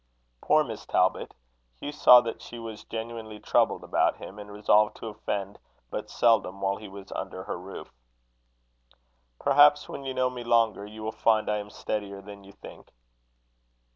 Poor Miss Talbot! Hugh saw that she was genuinely troubled about him, and resolved to offend but seldom, while he was under her roof. "Perhaps, when you know me longer, you will find I am steadier than you think."